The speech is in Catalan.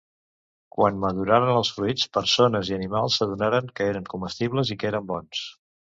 Quan maduraren els fruits, persones i animals s'adonaren que eren comestibles i que eren bons.